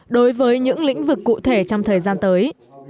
đối với những lĩnh vực cụ thể trong thời gian tới